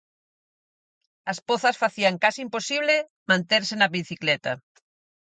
As pozas facían case imposible manterse na bicicleta.